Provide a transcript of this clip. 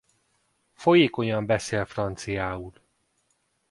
Folyékonyan beszél franciául.